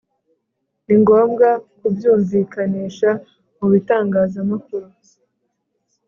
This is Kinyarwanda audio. Ni ngombwa kubyumvikanisha mu bitangazamakuru